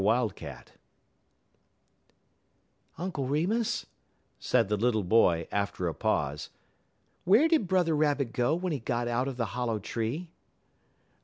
WILDCAT "Uncle Remus," said the little boy, after a pause, "where did Brother Rabbit go when he got out of the hollow tree?"